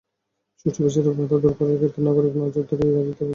সুষ্ঠু বিচারের বাধা দূর করার ক্ষেত্রে নাগরিক নজরদারি জারি থাকা প্রয়োজন।